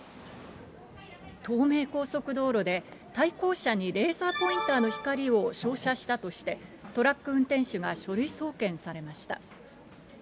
東名高速道路で、対向車にレーザーポインターの光を照射したとして、トラック運転手が書類送検されました。